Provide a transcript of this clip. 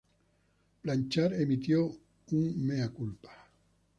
Blanchard emitió "un mea culpa".